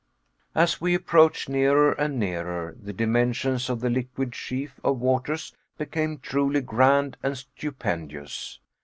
As we approached nearer and nearer, the dimensions of the liquid sheaf of waters became truly grand and stupendous.